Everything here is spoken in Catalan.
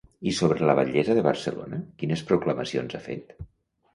I sobre la batllessa de Barcelona quines proclamacions ha fet?